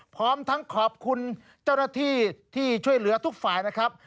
พร้อมทั้งขอบคุณเจ้าหน้าที่ที่ช่วยเหลือทุกฝ่ายนะครับ